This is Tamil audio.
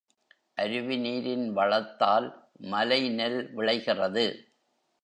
அருவி நீரின் வளத்தால் மலைநெல் விளைகிறது.